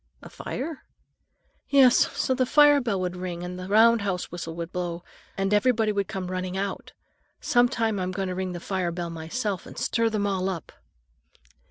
"A fire?" "Yes, so the fire bell would ring and the roundhouse whistle would blow, and everybody would come running out. Sometime I'm going to ring the fire bell myself and stir them all up."